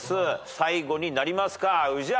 最後になりますか宇治原。